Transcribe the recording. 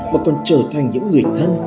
mà còn trở thành những người thân